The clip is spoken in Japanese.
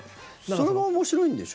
それが面白いんでしょ？